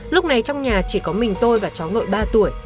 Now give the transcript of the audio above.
lúc này trong nhà chỉ có mình tôi và cháu nội ba tuổi